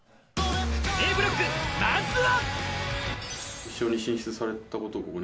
Ａブロック、まずは。